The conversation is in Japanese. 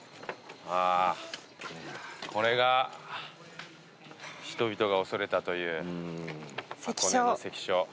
あーこれが人々が恐れたという箱根の関所。